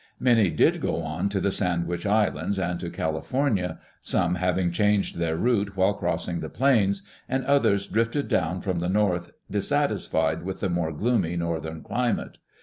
Many did go on to the Sandwich Islands and to Cali fornia, some having changed their route while crossing the plains, and others drifted down from the north dissatisfied with the more gloomy northern climate.